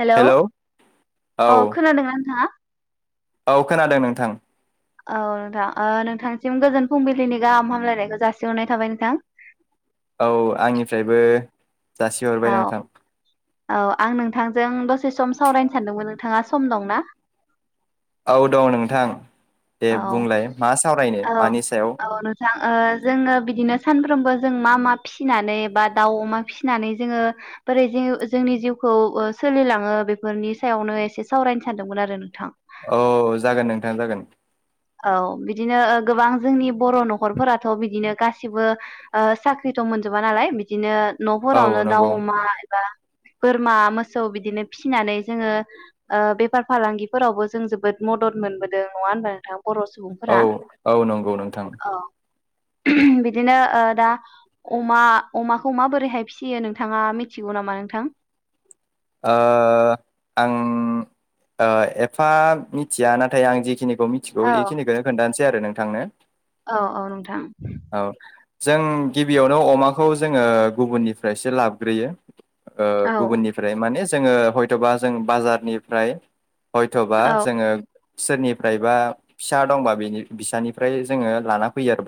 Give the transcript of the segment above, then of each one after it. Hello औ अ खोनादोंना नोंथाङा? औ खोनादों नोंथां। औ नोंथां ओ नोंथांसिम गोजोन फुंबिलिनि गाहाम हामलायनायखौ जासिहरनाय थाबाय नोंथां। औ आंनिफ्रायबो जासिहरबाय औ नोंथां। औ आं नोंथांजों दसे सम सावरायनो सानदोंमोन नोंथाङा सम दंना? औ दं नोंथां। दे औ बुंलाय मा सावरायनो औ मानि सायाव औ नोंथां ओ जोङो बिदिनो सानफ्रोमबो। जों मा मा फिसिनानै बा दाउ अमा फिसिनानै जोङो बोरै जिउ जोंनि जिउखौ ओ सोलिलाङो बेफोरनि सायावनो एसे सावरायनो सानदोंमोन आरो नोंथां। औ जागोन नोंथां जागोन। औ बिदिनो ओ गोबां जोंनि बर' न'खरफोराथ' बिदिनो गासिबो ओ साख्रिथ' मोनजोबा नालाय बिदिनो। औ न'फोरावनो दाउ नंगौ अमा एबा। बोरमा मोसौ बिदिनो फिसिनानै जोंङो ओ बेपार फालांगिफोरावबो जों जोबोद मदद मोनबोदों नङा ओनबा नोंथां? बर' औ सुबुंफोरा औ नंगौ नोंथां। औ बिदिनो ओ दा अमा अमाखौ माबोरैहाय फियो नोंथाङा मिथिगौ नामा नोंथां? ओ आं ओ एफा मिथिया नाथाय आं जिखिनि खौ औ मिथिखौ इखिनिखोनो खोन्थानोस। दि आरो नोंथांनो। औ औ नोंथां। औ जों गिबियावनो अमाखौ जोंङो गुबुननिफ्रायसो लाबग्रोयो। ओ औ गुबुननिब दे माने जोंङो हयथ'बा जों बाजारनिफ्राय। हयथ'बा जोङो। सोरनिफ्राय बा फिसा दंबा बेनिब बिसानिफ्राय जोंङो लाना फैयो आरो।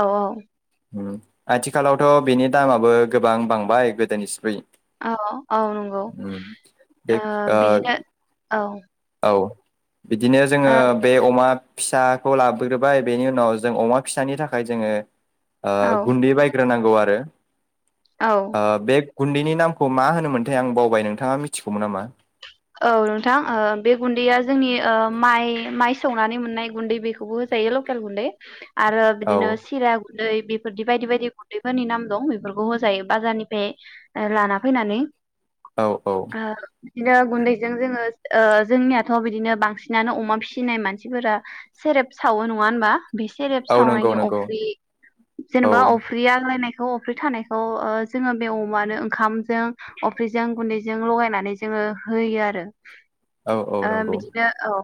औ औ। ओम आथिखालावथ' बेनि दामाबो गोबां बांबाय गोदोनिस्रुय। औऔ औ नंगौ बे ओ बेदिनो औ। औ। बिदिनो जोङो बे अमाब। फिसा खौ लाबोग्रोबाय बेनि उनाव जों अमा फिसानि थाखाय जोंङो। ओ गुन्दै बायग्रो नांग गौ आरो। औ ओ बे गुन्दैनि नामखौ मा होनोमोनथाय आं बावबाय नोंथाङा मिथिगौमोन नामा? औ नोंथां ओ बे गुन्दैया जोंनि ओ माइ माइ सौनानै मोननाय गुन्दै बेखौबो होजायो लकेल गुन्दै। आरो औ बिदिनो सिरा गुन्दै बेफोरदि बायदि बायदि गुन्दैफोरनि नाम दं बेफोरखौ होजायो बाजारनिफ्राय लाना फैनानै औ औ ओ [inaudible] गुन्दैजों जोङो ओ जोंनियाथ' बिदिनो बांसिनानो अमा फिसिनाय मानसिफोरा सेरेब सावो नङा होमबा? बे सेरेब औ नंगौ सावनायनि नंगौ अफ्रि औ जेनेबा अफ्रि आग्लायनाय खौ अफ्रि थानायखौ ओ जोङो बे अमानो ओंखामजों अफ्रिजों गुन्दैजों लगायनानै जोङो होयो आरो औ औ ओ नंगौ बिदिनो औ।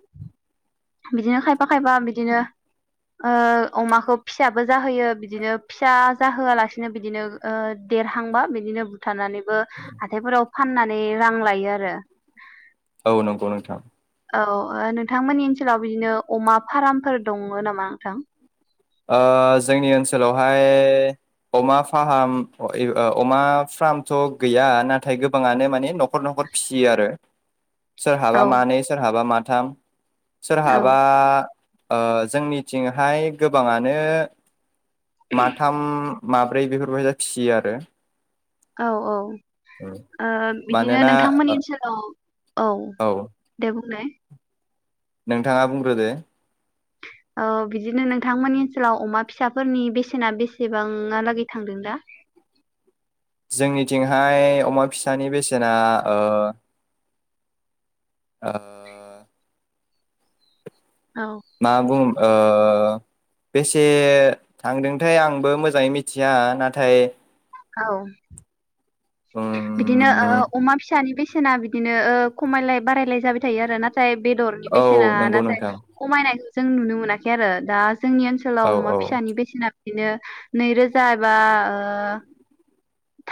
बिदिनो खायफा खायफा बिदिनो ओ अमाखौ फिसाबो जाहोयो बिदिनो फिसा जाहोआलासिनो बिदिनो ओ देरहांबा बिदिनो बुथारनानै बो हाथाइफोराव फाननानै रां लायो आरो। औ नंगौ नोंथां। औ ओ नोंथांमोननि ओनसोलाव बिदिनो अमा फार्मफोर दङ नामा नोंथां? ओ जोंनि ओनसोलावहाय अमा फाहाम अमा फ्रामथ' गैया नाथाय गोबाङानो माने नखर नखर फिसियो आरो। औ सोरहाबा मानै सोरहाबा मा थाम औ सोरहाबा ओ जोंनिथिंहाय गोबाङानो माथाम माब्रै [unintelligible] बेफोरबायदि फिसियो आरो औ औ ओ बिदिनो मानोना नोंथांमोननि ओनसोलाव औ दे बुंलाय? नोंथाङा बुंग्रोदो? औ बिदिनो नोंथांमोननि ओनसोलाव अमा फिसाफोरनि बेसेना बेसेबांहालागै थांदों दा? जोंनिथिंहाय अमा फिसानि बेसेना ओ ओ औ मा बुंं ओ ओ बेसे थांदोंथाय आंबो मोजाङै मिथिया नाथाय औ बिदिनो ओ उम अमा फिसानि बेसेन ना बिदिनो ओ खमायलाय बारायलाय जाबाय थायो आरो नाथाय बेदरनि औ बेसेना नंगौ नाथाय नोंथां खमायनायखौ जों नुनो मोनाखै आरो दा जोंनि औ ओनसोलाव अमा औ फिसानि बेसेना बिदिनो नै रोजा एबा ओ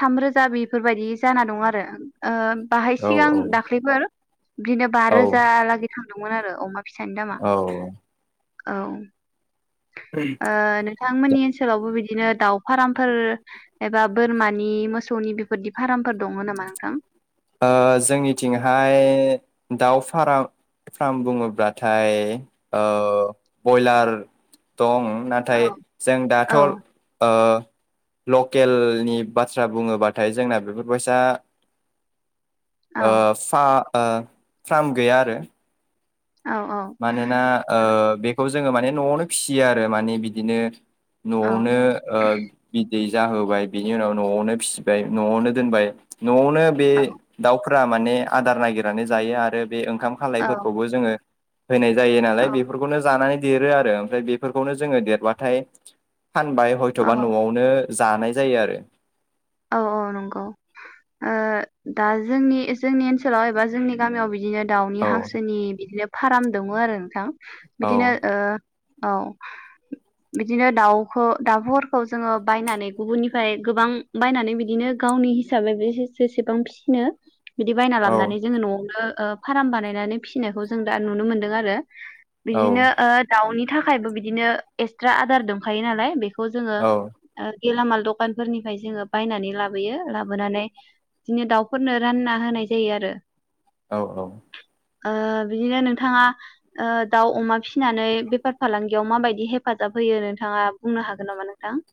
थाम रो जा बेफोरबायदि जाना दं आरो ओ बाहाय औ सिगां औ दाख्लैफोर बिदिनो बा औ रोजा लागै थां दंमोन आरो अमा फिसानि दामा औ। औ। ओ नोंथांमोननि ओनसोलावबो बिदिनो दाउ फारामफोर एबा बोरमानि मोसौनि बेफोरदि फारामफोर दङ नामा नोंथां? ओ जोंनिथिंहाय दाउ फारा फार्म बुङोब्लाथाय ओ बयलार दं। औ नाथाय जों दाथ' औ ओ लकेलनि बाथ्रा बुङोबाथाय जोंना बेफोरबायसा औ ओ फा ओ फ्राम गैया आरो। औ औ मानोना ओ बेखौ जोङो माने न'आवनो फिसियो आरो माने बिदिनो औ न'आवनो ओ बि बिदै जाहोबाय बिनि उनाव न'आवनो फिसिबाय न'आवनो दोनबाय न'आवनो बे औ दाउ फ्रा माने आदार नागिरनानै जायो आरो बे ओंखाम औ खालायफोरखौबो जोङो होनाय जायो औ नालाय बेफोरखौनो जानानै देरो आरो ओमफ्राय बेफोरखौनो जोङो देरबाथाय फानबाय औ हयथ'बा न'आवनो जानाय जायो आरो। औ औ नंगौ ओ दा जोंनि जोंनि ओनसोलाव एबा जोंनि गामियाव बिदिनो दाउनि औ हांसोनि बिदिनो फाराम दङ आरो नोंथां। औ बिदिनो ओ औ बिदिनो दाउखौ दाउफोरखौ जोङो बायनानै गुबुननिफ्राय गोबां बायनानै बिदिनो गावनि हिसाबै बे जेसेबां फिनो बिदि बायना औ लाबोननानै जोङो न'आवनो ओ फाराम बानायनानै फिनायखौ जों दा नुनो मोन्दों आरो। औ बिदिनो ओ दाउनि थाखायबो बिदिनो एक्सट्रा आदार दंखायो नालाय बेखौ खौ जोङो औ ओ गेलामाल दखानफोरनिफ्राय जोङो बायनानै लाबोयो लाबोनानै बिदिनो दाउफोरनो रानना होनाय जायो आरो औ औ ओ बिदिनो नोंथाङा ओ दाउ अमा फिसिनानै बेफार फालांगियाव माबायदि हेफाजाब होयो नोंथाङा बुंनो हागोन नामा नोंथां?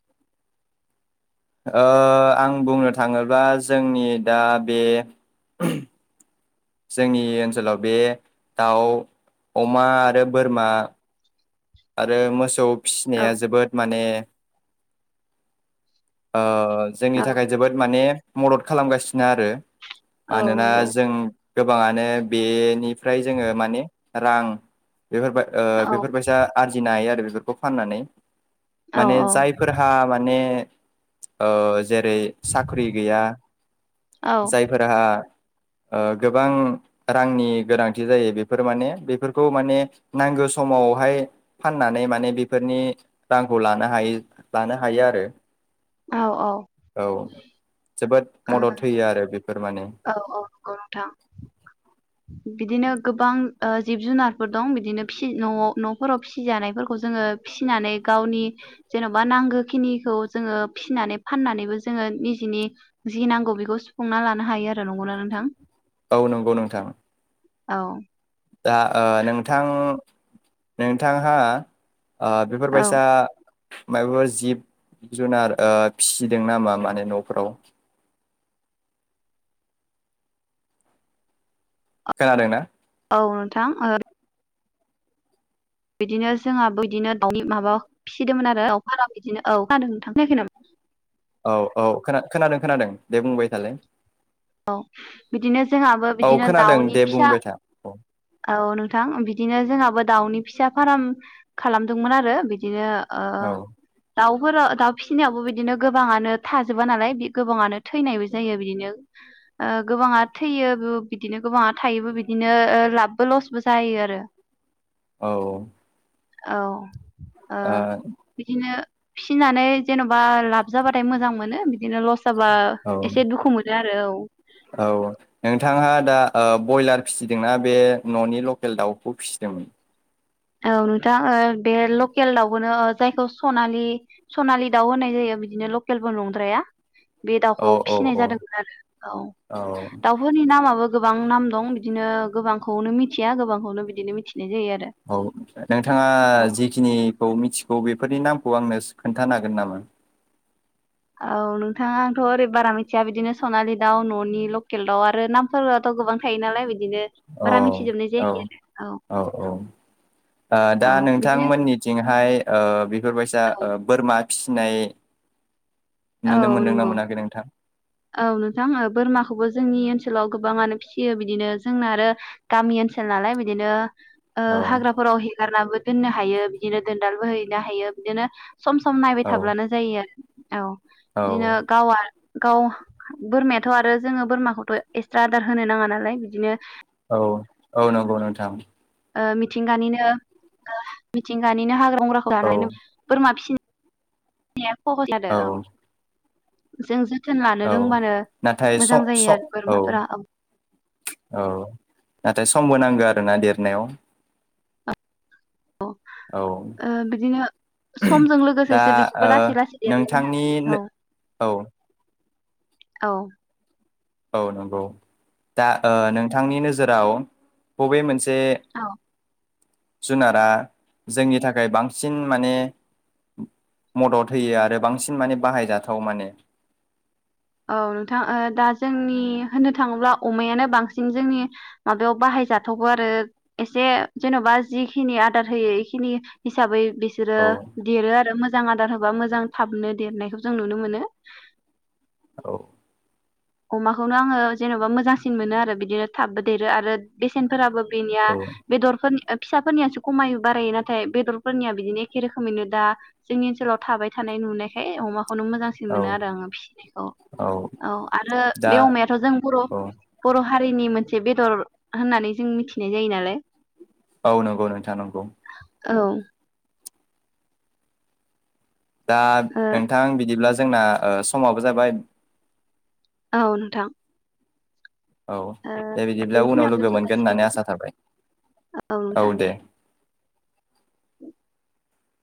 ओ आं बुंनो थाङोब्ला जोंनि दा बे जोंनि ओनसोलाव बे दाउ अमा आरो बोरमा आरो मोसौ औ फिसिनाया जोबोद माने ओ जोंनि औ थाखाय जोबोद माने मदद खालामगासिनो आरो औ मानोना नंगौ जों गोबाङानो बेनिफ्राय जोङो माने रां बेफोरबाय ओ औ बेफोरबायसा आरजिनो हायो आरो बेफोरखौ फाननानै औ माने जायफोरहा माने ओ जेरै साख्रि गैया औ जायफोरहा ओ गोबां रांनि गोनांथि जायो बेफोर माने बेफोरखौ माने नांगौ समावहाय फाननानै माने बेफोरनि रांखौ लानो हायो लानो हायो आरो औ औ औ जोबोद मदद होयो आरो बेफोर माने औ औ नंगौ नोंथां बिदिनो गोबां ओ जिब जुनारफोर दं बिदिनो फिनो दङ न'फोराव फिसिजानायफोरखौ जोङो फिसिनानै गावनि जेन'बा नांगौखिनिखौ जोङो फिसिनानै फाननानैबो जोङो निजेनि जि नांगौ बेखौ सुफुंना लानो हायो आरो नोंगौना नोंथां औ नंगौ नोंथां औ दा ओ नोंथां नोंथांहा ओ औ बेफोरबायसा मायाफोर जिब जुनार फिसिदों नामा माने न'फोराव खोनादोंना औ नोंथां ओ बिदिनो जोंहाबो बिदिनो दाउनि माबा फिसिदोंमोन आरो औ फाराव बिदिनो औ खोनादों ना नोंथां खोनायाखै नामा? औ औ खोना-खोनादों खोनादों दे बुंबाय थालाय औ बिदिनो जोंहाबो औ बिदिनो खोनादों दाउनि दे फिसा बुंबाय था औ औ नोंथां बिदिनो जोंहाबो दाउनि फिसा फार्म खालामदोंमोन आरो बिदिनो ओ औ दाउ न'फोराव दाउ फिसिनायावबो बिदिनो गोबाङानो थाजोबा नालाय गोबाङानो थैनायबो जायो बिदिनो ओ गोबाङा थैयोबो बिदिनो गोबाङा थायोबो बिदिनो लाबबो लसबो जायो आरो औ औ ओ बिदिनो फिसिनानै जेन'बा लाब जाबाथाय मोजां मोनो बिदिनो लस जाबा औ एसे दुखु मो नो आरो औ औ नोंथाङा दा ओ ब्रयलार फिसिदोंना बे न'नि लकेल दाउखौ फिसिदोंमोन? औ नोंथां ओ बे लकेल दाउबोनो जायखौ सनालि सनालि दाउ होननाय जायो बिदिनो लकेलबो नंद्राया बे औ दाउखौ औ फिसिनाय औ जादोंमोन आरो औ औ दाउफोरनि नामाबो गोबां नाम दं बिदिनो गोबांखौनो मिथिया गोबांखौनो बिदिनो मिथि बिदि जायो आरो । औ नोंथाङा जिखिनिखौ मिथिगौ बेफोर नि नामखौ आंनो खोन्थानो हागोन नामा? औ नोंथां आंथ' ओरै बारा मिथिया बिदिनो सनालि दाउ न'नि लकेल दाउ आरो नामफोराथ' गोबां थायो नालाय बिदि अ औ औ औ औ दा बिदिनो नोंथांमोननिथिंहाय ओ बि फोर बायसा औ बोरमा फिसिनाय औ नुनो मोनदोंना नंगौ, मोनाखै नोंथां? औ नोंथां ओ बोरमाखौबो जोंनि ओनसो ओनसोलाव गोबाङानो फिसियो बिदिनो जोंना आरो गामि ओनसोल नालाय बिदिनो ओ औ हाग्राफोराव गारनाबो दोननो हायो बिदिनो दोनदालबो हैनो हायो बिदिनो सम सम नायबाय औ थाब्लानो जायो आरो औ बिदिनो गावा गाव बोरमायाथ' आरो जोङो बोरमाखौथ' एक्सट्रा आदार होनो नाङा नालाय बिदिनो औ औ नंगौ नोंथां ओ मिथिंगानिनो मिथिंगानिनो हाग्रा बंग्राखौ औ जानानै बोरमा फिसि नामा सजस जादों औ। जों जों औ नाथाय स स औ आरो औ बोरमाफोरा । नाथाय समबो नांगौ आरो ना देरनायाव ओं औ ओ बिदिनो समजों दा लोगोसेसो ओ बिसोरबो लासै लासै देरलांगोन नोंथांनि नालाय औ औ औ औ नंगौ दा ओ नोंथांनि नोजोराव बबे मोनसे से औ जुनारा जोंनि थाखाय बांसिन माने मदद होयो आरो बांसिन माने बाहायजाथाव माने औ नोंथां दा जोंनि होननो थाङोब्ला अमायानो बांसिन जोंनि माबायाव बाहायजाथावगौ आरो एसे जेन'बा जिखिनि आदार होयो इखिनि हिसाबै बिसोरो औ देरो आरो मो जां आदार होबा मोजां थाबनो देरनायखौ जों नुनो मोनो औ अमाखौनो आङो जेन'बा मोजांसिन मोनो आरो बिदिनो थाबबो देरो आरो बेसेनफोराबो बिनिया औ बेदरफोरनि फिसाफोरनियासो खमायो बारायो नाथाय बेदरफोरनिया बिदिनो एखे रोखोमैनो दा जोंनि ओनसोलाव थाबाय थानाय नुनायखाय अमा खौनो मोजांसिन औ मोनो आरो आङो फिसिनायखौ औ आरो दा बे अमायाथ' जों बर' औ बर' हारिनि मोनसे बेदर होननानै जों मिथिनाय जायो नालाय औ नंगौ नोंथां नंगौ औ दा ओ नोंथां बिदिब्ला जोंना ओ समाबो जाबाय औ नोंथां औ ओ दे बिदिब्ला उनाव बेखिनियाव लोगो दोनथ' मोनगोन होननानै जासिगोन आसा थाबाय औ दे